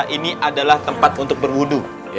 ini adalah tempat untuk berwudhu